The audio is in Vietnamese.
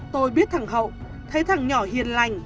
tôi biết thằng hậu thấy thằng nhỏ hiền lành